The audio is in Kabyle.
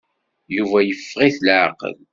Yuba yeffeɣ-it laɛqel.